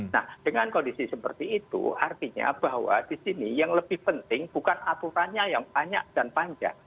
nah dengan kondisi seperti itu artinya bahwa di sini yang lebih penting bukan aturannya yang banyak dan panjang